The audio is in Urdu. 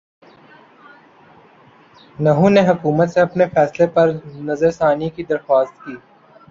نہوں نے حکومت سے اپنے فیصلے پرنظرثانی کی درخواست کی